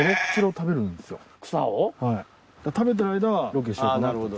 食べてる間はロケしようかなと。